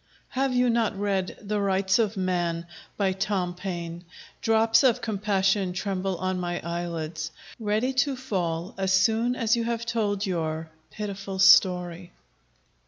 Have you not read the 'Rights of Man,' by Tom Paine? Drops of compassion tremble on my eyelids, Ready to fall, as soon as you have told your Pitiful story.